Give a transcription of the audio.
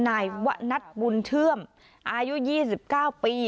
นายวะนัดบุญเทื่อมอายุยี่สิบเก้าปี